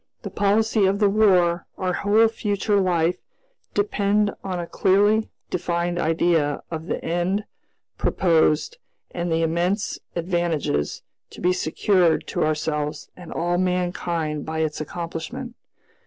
The policy of the War, our whole future life, depend on a clearly defined idea of the end proposed and the immense advantages to be secured to ourselves and all mankind by its accomplishment.